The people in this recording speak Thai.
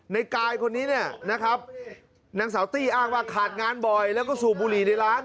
ในกายคนนี้เนี่ยนะครับนางสาวตี้อ้างว่าขาดงานบ่อยแล้วก็สูบบุหรี่ในร้าน